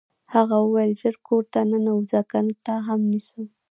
هغه وویل ژر کور ته ننوځه کنه تا هم نیسم